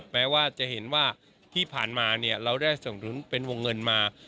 แม้ว่าจะเห็นว่าที่ผ่านมาเราได้สนุนเป็นวงเงินมา